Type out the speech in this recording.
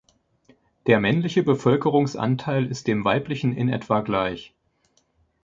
Der männliche Bevölkerungsanteil ist dem weiblichen in etwa gleich.